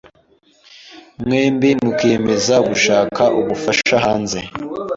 mwembi mukiyemeza gushaka ubufasha hanze.”